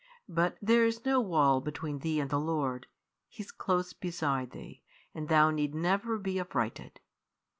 But there's no wall between thee and the Lord; He's close beside thee, and thou need never be affrighted."